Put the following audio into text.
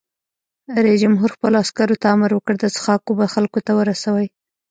رئیس جمهور خپلو عسکرو ته امر وکړ؛ د څښاک اوبه خلکو ته ورسوئ!